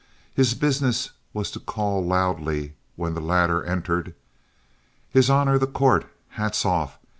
His business was to call loudly, when the latter entered, "His honor the Court, hats off.